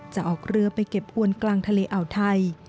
ออกเรือไปเก็บอวนกลางทะเลอ่าวไทย